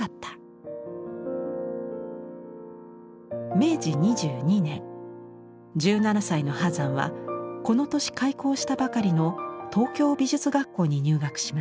明治２２年１７歳の波山はこの年開校したばかりの東京美術学校に入学します。